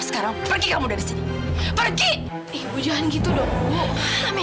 kenapa kamu duduk lama